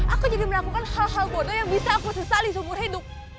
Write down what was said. aku jadi melakukan hal hal bodoh yang bisa aku sesali seumur hidup